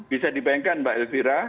bisa dibayangkan mbak elvira